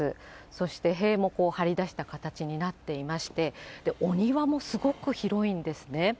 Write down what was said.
そして塀も張り出した形になっておりまして、お庭もすごく広いんですね。